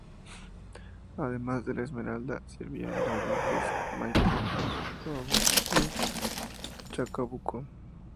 Además de la "Esmeralda", sirvió en los buques "Maipo", "Abtao" y "Chacabuco".